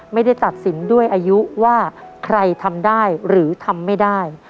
ไม่ได้ตัดสินด้วยอายุว่าใครทำได้หรือทำไม่ได้